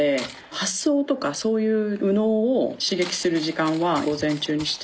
発想とかそういう右脳を刺激する時間は午前中にして。